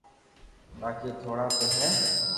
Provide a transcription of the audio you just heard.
باقي ٿوڙا تو ھي